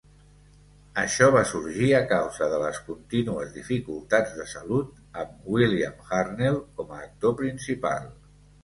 Això va sorgir a causa de les continues dificultats de salut amb William Hartnell com a actor principal.